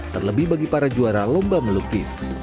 terlebih bagi para juara lomba melukis